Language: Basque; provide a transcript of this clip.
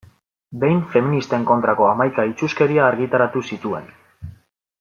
Behin feministen kontrako hamaika itsuskeria argitaratu zituen.